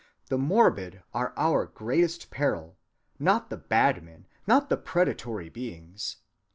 The morbid are our greatest peril—not the 'bad' men, not the predatory beings.